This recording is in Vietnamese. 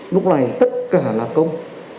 lúc này tất cả là công